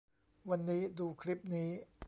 วันนี้ดูคลิปนี้